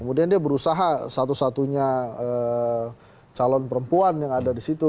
kemudian dia berusaha satu satunya calon perempuan yang ada di situ